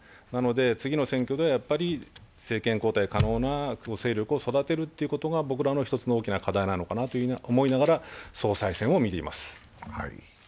次の選挙ではやはり政権交代可能な勢力を育てることが僕らの一つの大きな課題なのかなと思いながら総裁選を見ています。